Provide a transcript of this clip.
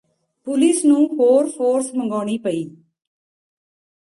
police ਨੂੰ ਹੋਰ force ਮੰਗਾਉਣੀ ਪਈ